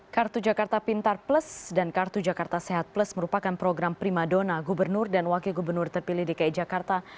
kartu jakarta pintar plus dan kartu jakarta sehat plus merupakan program prima dona gubernur dan wakil gubernur terpilih dki jakarta